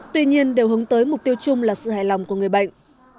tuy nhiên đều hướng tới mục tiêu chung là sự hài lòng của người bệnh